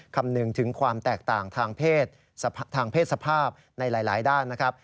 คำนึงถึงความแตกต่างทางเพศสภาพในหลายด้านนะครับ